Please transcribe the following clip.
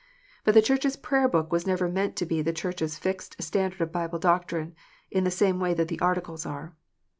But the Church s Prayer book was never meant to be the Church s fixed standard of Bible doctrine, in the same way that the Articles are.